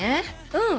うん。